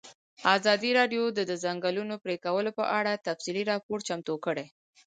ازادي راډیو د د ځنګلونو پرېکول په اړه تفصیلي راپور چمتو کړی.